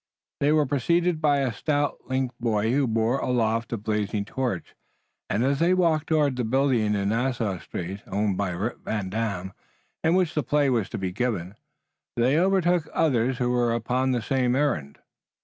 They were preceded by a stout link boy who bore aloft a blazing torch, and as they walked toward the building in Nassau Street, owned by Rip Van Dam, in which the play was to be given, they overtook others who were upon the same errand.